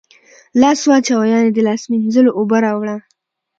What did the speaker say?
لاس واچوه ، یعنی د لاس مینځلو اوبه راوړه